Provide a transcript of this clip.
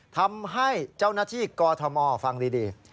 ทำให้เจ้าหน้าที่กอทมฟังดี